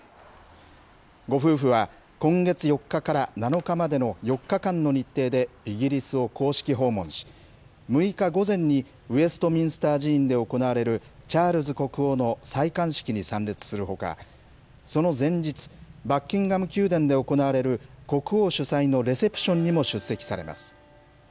ご夫婦は今月４日から７日までの４日間の日程でイギリスを公式訪問し、６日午前にウェストミンスター寺院で行われるチャールズ国王の戴冠式に参列するほか、その前日、バッキンガム宮殿で行われる国王主催のレセプションにも出席されます。